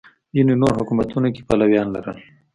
ځینې نور حکومت کې پلویان لرل